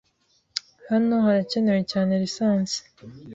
Hano harakenewe cyane lisansi.